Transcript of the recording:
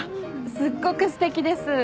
すっごくすてきです。